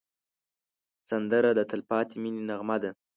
سندره د تل پاتې مینې نغمه ده